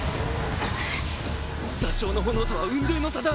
座長の炎とは雲泥の差だ